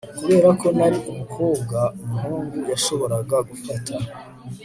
kubera ko nari umukobwa umuhungu yashoboraga gufata